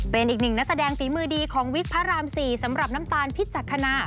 เป็นอีกหนึ่งนักแสดงฝีมือดีของวิกพระราม๔สำหรับน้ำตาลพิจักษณา